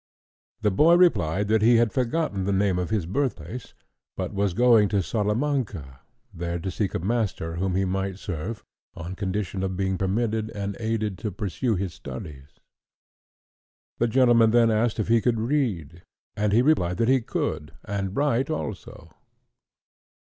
The boy replied, that he had forgotten the name of his birthplace, but was going to Salamanca, there to seek a master whom he might serve, on condition of being permitted and aided to pursue his studies. The gentlemen then asked if he could read, and he replied that he could, and write also.